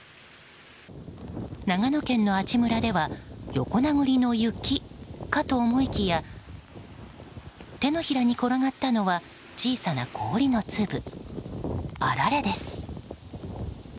長野県の阿智村では横殴りの雪かと思いきや手のひらに転がったのは小さな氷の粒あられです。